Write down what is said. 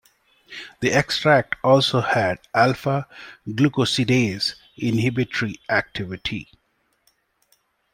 The extract also had alpha-glucosidase inhibitory activity.